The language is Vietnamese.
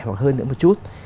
hoặc hơn nữa một chút